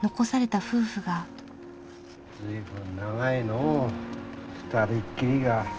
随分長いのう二人きりが。